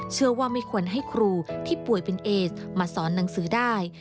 เชื่อว่าไม่ควรให้ครูที่ป่วยเป็นเอสมาสอนหนังสือได้